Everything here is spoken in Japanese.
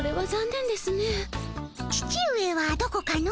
父上はどこかの？